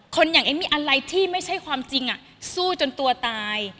อย่างเอมมี่อะไรที่ไม่ใช่ความจริงสู้จนตัวตาย